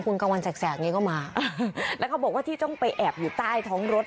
คุณกลางวันแสกอย่างนี้ก็มาแล้วเขาบอกว่าที่ต้องไปแอบอยู่ใต้ท้องรถ